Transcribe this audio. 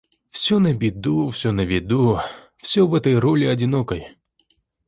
Все на беду, все на виду, Все в этой роли одинокой.